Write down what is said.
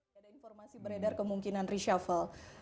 tidak ada informasi beredar kemungkinan reshuffle